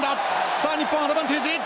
さあ日本アドバンテージ！